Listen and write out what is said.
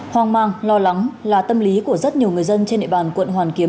hoang mang lo lắng là tâm lý của rất nhiều người dân trên địa bàn quận hoàn kiếm